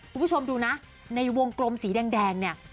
คุณผู้ชมดูนะในวงกลมสีแดงเนี่ย